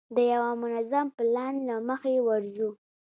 د یوه منظم پلان له مخې ورځو.